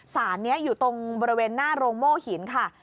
สารนี้อยู่ตรงบริเวณหน้าโรงโม่หินค่ะ